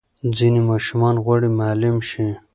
ځینې ماشومان غواړي معلم شي.